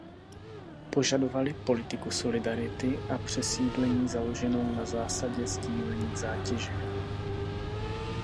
Požadovali politiku solidarity a přesídlení založenou na zásadě sdílení zátěže.